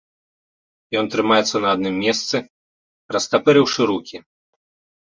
Ён трымаецца на адным месцы, растапырыўшы рукі.